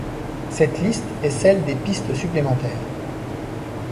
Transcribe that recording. Cette liste est celle des pistes supplémentaires.